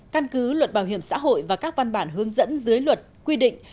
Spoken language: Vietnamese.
căn cứ luật bảo hiểm xã hội và các văn bản hướng dẫn dưới luật quy định